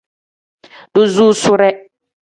Duzusuure.